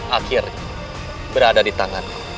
akhirnya berada di tanganku